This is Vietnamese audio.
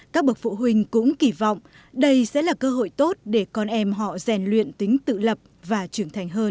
các bậc phụ huynh cũng kỳ vọng đây sẽ là cơ hội tốt để con em họ rèn luyện tính tự lập và trưởng thành hơn